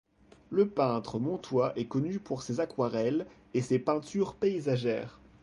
Le peintre montois est connu pour ses aquarelles et ses peintures paysagères.